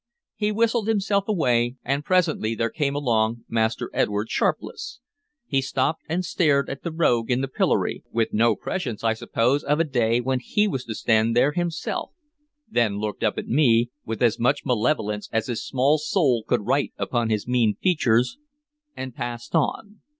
He whistled himself away, and presently there came along Master Edward Sharpless. He stopped and stared at the rogue in the pillory, with no prescience, I suppose, of a day when he was to stand there himself; then looked up at me with as much malevolence as his small soul could write upon his mean features, and passed on.